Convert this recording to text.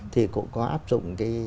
thì cũng có áp dụng cái